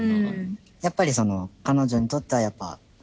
やっぱり彼女にとってはやっぱ。